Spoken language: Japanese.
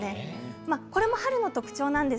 これも春の特徴です。